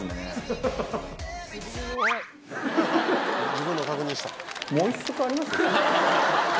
自分の確認した。